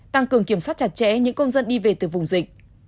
tăng cường kiểm soát chặt chẽ những công dân đi về từ vùng dịch